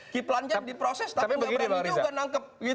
kiplannya diproses tapi nggak berani juga nangkep